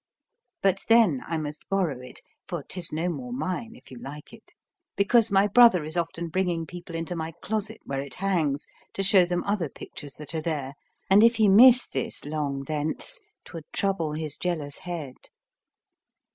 But then I must borrow it (for 'tis no more mine, if you like it), because my brother is often bringing people into my closet where it hangs, to show them other pictures that are there; and if he miss this long thence, 'twould trouble his jealous head.